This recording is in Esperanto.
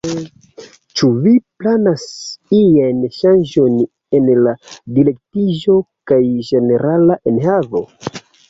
Ĉu vi planas iajn ŝanĝojn en la direktiĝo kaj ĝenerala enhavo?